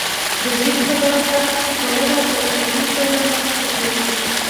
د ژبې په برکت ټولنه په تېزۍ سره مخ ته ځي.